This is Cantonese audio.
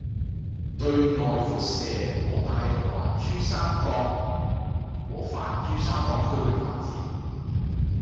對內輻射和帶動環珠三角和泛珠三角區域發展